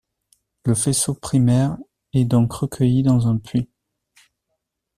Le faisceau primaire est donc recueilli dans un puits.